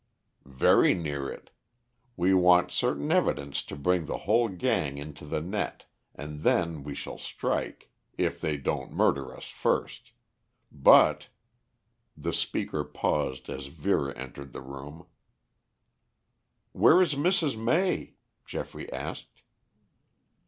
"Very near it. We want certain evidence to bring the whole gang into the net, and then we shall strike if they don't murder us first. But " The speaker paused as Vera entered the room. "Where is Mrs. May?" Geoffrey asked.